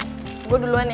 guys gue duluan ya